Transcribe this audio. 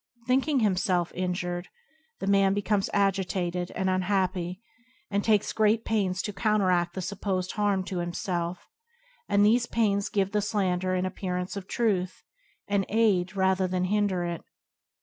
Thinking himself injured, the man becomes agitated and unhappy, and takes great pains to counteradthe supposed harm to himself, and these very pains give the slander an appearance of truth, and aid rather than hinder it.